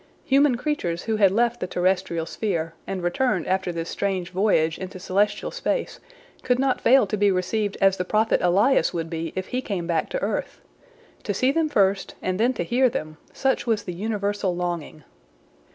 Human creatures who had left the terrestrial sphere, and returned after this strange voyage into celestial space, could not fail to be received as the prophet Elias would be if he came back to earth. To see them first, and then to hear them, such was the universal longing.